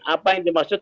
apa yang dimaksud